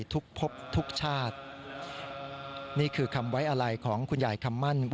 พบทุกชาตินี่คือคำไว้อะไรของคุณยายคำมั่น